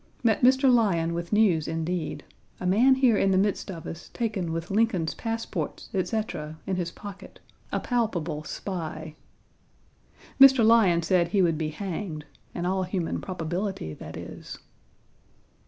Met Mr. Lyon with news, indeed a man here in the midst of us, taken with Lincoln's passports, etc., in his pocket a palpable spy. Mr. Lyon said he would be hanged in all human probability, that is.